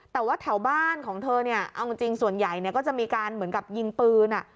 แต่ว่าแถวบ้านของเธอเนี่ยเอาจริงส่วนใหญ่เนี่ยก็จะมีการเหมือนกับยิงปืน